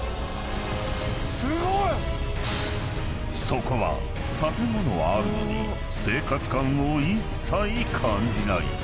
［そこは建物はあるのに生活感を一切感じない］